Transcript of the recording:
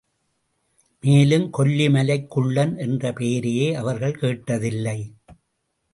மேலும், கொல்லி மலைக் குள்ளன் என்ற பெயரையே அவர்கள் கேட்டதில்லை.